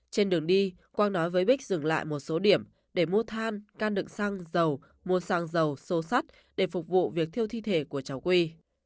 trên đường đi quang nói với bích dừng lại một số điểm để mua than can đựng xăng dầu mua xăng dầu xô sát để phục vụ việc thiêu thi thể của cháu quy